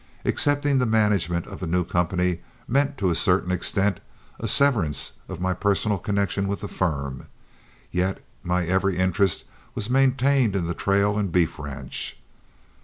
Accepting the management of the new company meant, to a certain extent, a severance of my personal connection with the firm, yet my every interest was maintained in the trail and beef ranch.